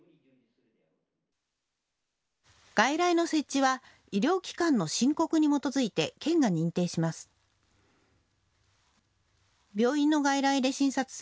外来の設置は医療機関の申告に基づいて県が認定します。